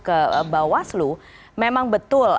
ke bawah memang betul